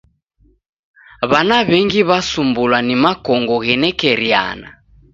W'ana w'engi w'asumbulwa ni makongo ghenekeriana.